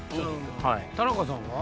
田中さんは？